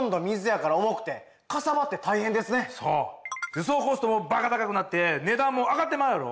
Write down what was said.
輸送コストもバカ高くなって値段も上がってまうやろ。